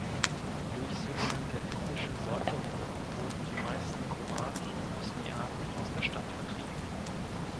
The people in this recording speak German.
Durch sogenannte ethnische Säuberungen wurden die meisten Kroaten und Bosniaken aus der Stadt vertrieben.